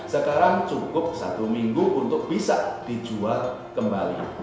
sekarang cukup satu minggu untuk bisa dijual kembali